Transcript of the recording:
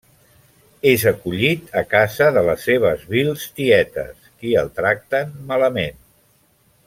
És acollit a casa de les seves vils tietes, qui el tracten malament.